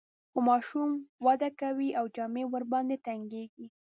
خو ماشوم وده کوي او جامې ورباندې تنګیږي.